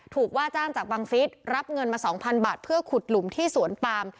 ว่าจ้างจากบังฟิศรับเงินมา๒๐๐บาทเพื่อขุดหลุมที่สวนปาม